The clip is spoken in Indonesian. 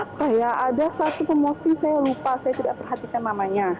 apa ya ada satu promosi saya lupa saya tidak perhatikan namanya